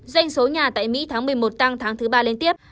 doanh số nhà tại mỹ tháng một mươi một tăng tháng thứ ba liên tiếp